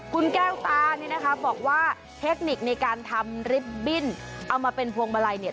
คุณแก้วตานี่นะคะบอกว่าเทคนิคในการทำลิฟต์บิ้นเอามาเป็นพวงมาลัยเนี่ย